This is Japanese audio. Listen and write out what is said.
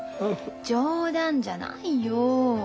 冗談じゃないよ。